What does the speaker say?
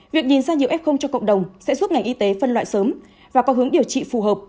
việc nhìn ra nhiều f cho cộng đồng sẽ giúp ngành y tế phân loại sớm và có hướng điều trị phù hợp